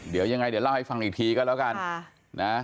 เดี๋ยวยังไงเดี๋ยวเล่าให้ฟังอีกทีก็แล้วกัน